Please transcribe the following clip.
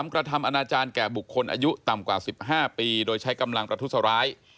กระทำอนาจารย์แก่บุคคลอายุต่ำกว่า๑๕ปีโดยใช้กำลังประทุษร้าย